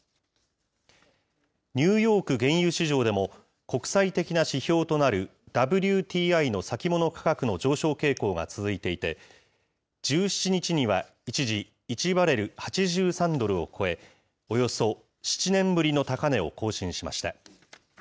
ニューヨーク原油市場でも、国際的な指標となるＷＴＩの先物価格の上昇傾向が続いていて、１７日には一時１バレル８３ドルを超え、およそ７年ぶりの高値を更新しました。